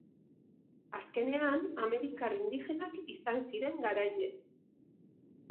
Azkenean, amerikar indigenak izan ziren garaile.